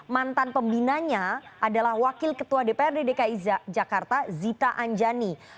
mantan pembinanya adalah wakil ketua dprd dki jakarta zita anjani